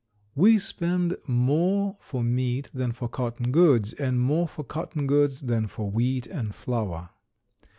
We spend more for meat than for cotton goods, and more for cotton goods than for wheat and flour.